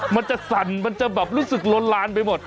มันจะสั่นมันจะแบบรู้สึกล้นลานไปหมด